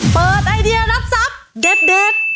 เปิดไอเดียรับทรัพย์เด็ด